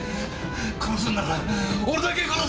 殺すんなら俺だけ殺せ！